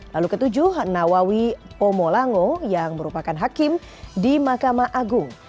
lalu ketujuh nawawi pomolango yang merupakan hakim di mahkamah agung